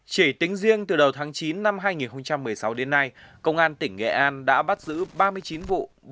chỉ tính riêng từ đầu tháng chín năm hai nghìn một mươi sáu đến nay công an tỉnh nghệ an đã bắt giữ ba mươi chín vụ